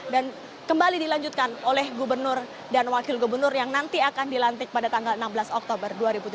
dan kembali dilanjutkan oleh gubernur dan wakil gubernur yang nanti akan dilantik pada tanggal enam belas oktober dua ribu tujuh belas